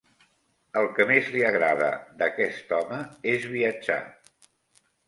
El que més li agrada d'aquest home és viatjar.